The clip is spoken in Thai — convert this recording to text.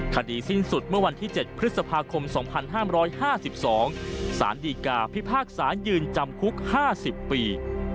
คดีสิ้นสุดเมื่อวันที่เจ็ดพฤษภาคมสองพันห้ามร้อยห้าสิบสองสารดีกาพิพากษายืนจำคุกห้าสิบปี